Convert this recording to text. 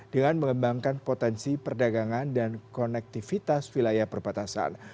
dengan mengembangkan potensi perdagangan dan konektivitas wilayah perbatasan